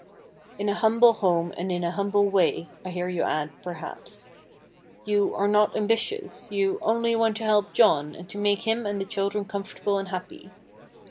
"In a humble home, and in a humble way," I hear you add, perhaps. You "are not ambitious;" you "only want to help John, and to make him and the children comfortable and happy."